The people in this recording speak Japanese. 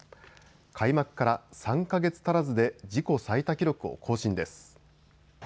開幕から３か月足らずで自己最多記録を更新です。